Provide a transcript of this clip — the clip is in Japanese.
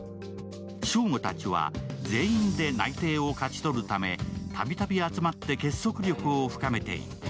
祥吾たちは全員で内定を勝ち取るためたびたび集まって結束力を深めていった。